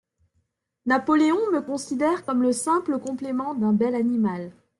«Napoléon me considère comme le simple complément d'un bel animal.